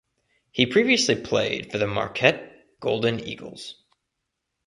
He previously played for the Marquette Golden Eagles.